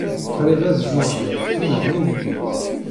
Qrib ad jjujjgent tulebnin-nni.